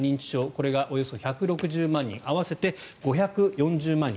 これがおよそ１６０万人合わせて５４０万人。